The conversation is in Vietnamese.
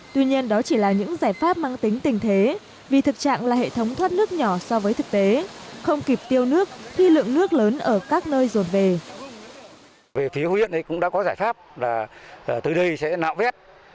tuy nhiên đó chỉ là những giải pháp mang tính tình thế vì thực trạng là hệ thống thoát nước nhỏ so với thực tế không kịp tiêu nước khi lượng nước lớn ở các nơi dồn về